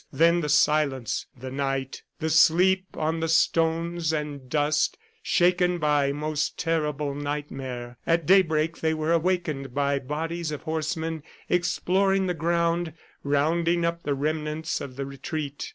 Then the silence, the night, the sleep on the stones and dust, shaken by most terrible nightmare. At daybreak they were awakened by bodies of horsemen exploring the ground, rounding up the remnants of the retreat.